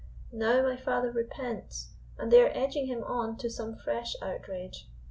"Now my father repents, and they are edging him on to some fresh outrage.